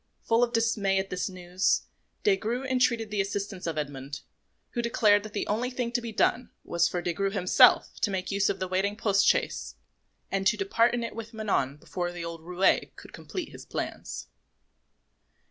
Full of dismay at this news, Des Grieux entreated the assistance of Edmond, who declared that the only thing to be done was for Des Grieux himself to make use of the waiting post chaise and to depart in it with Manon before the old roué could complete his plans.